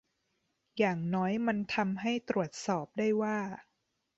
อย่างน้อยมันทำให้ตรวจสอบได้ว่า